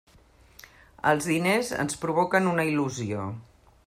Els diners ens provoquen una il·lusió.